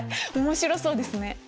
面白そうですね。